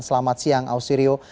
selamat siang ausi rio